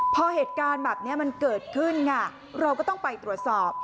พอเหตุการณ์แบบนี้มันเกิดขึ้นค่ะเราก็ต้องไปตรวจสอบ